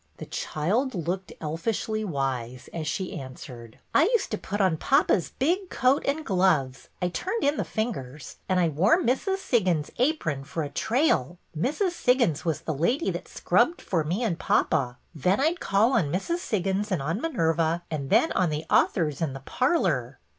The child looked elfishly wise as she answered : I used to put on papa's big coat and gloves, — I turned in the fingers, — and I wore Mrs. Siggins's apron for a trail. Mrs. Siggins was the lady that scrubbed for me and papa. Then I 'd call on Mrs. Siggins and on Minerva, and then on the authors in the parlor."